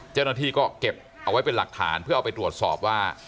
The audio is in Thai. เจ้าหน้าที่ก็เก็บเอาไว้เป็นหลักฐานเพื่อเอาไปตรวจสอบว่า